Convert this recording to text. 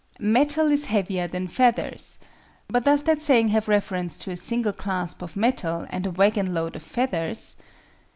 "Metal is heavier than feathers," but does that saying have reference to a single clasp of metal and a wagon load of feathers?